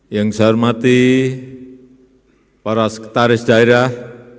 yang saya hormati para sekretaris daerah